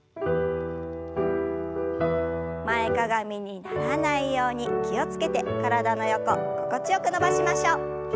前かがみにならないように気を付けて体の横心地よく伸ばしましょう。